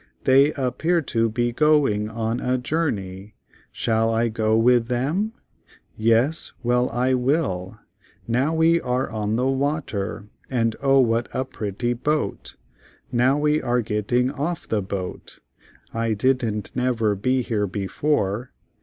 They appear to be go ing on a jour ney, shall I go with them? Yes, well I will. Now we are on the wa ter and—O what a pret ty boat—now we are get ting off of the boat—I didn't nev er be here be fore.